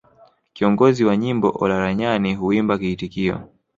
Kiongozi wa nyimbo Olaranyani huimba kiitikio